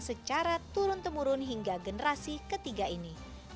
secara turun temurun hingga generasi ketiga ini